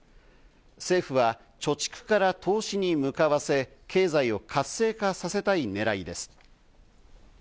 政府は貯蓄から投資に向かわせ、経済を活性化させたいねらいです。